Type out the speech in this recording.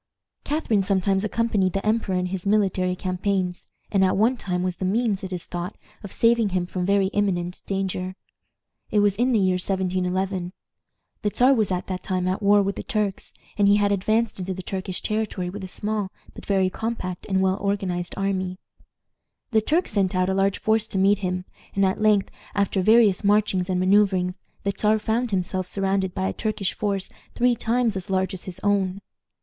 Catharine sometimes accompanied the emperor in his military campaigns, and at one time was the means, it is thought, of saving him from very imminent danger. It was in the year 1711. The Czar was at that time at war with the Turks, and he had advanced into the Turkish territory with a small, but very compact and well organized army. The Turks sent out a large force to meet him, and at length, after various marchings and manoeuvrings, the Czar found himself surrounded by a Turkish force three times as large as his own.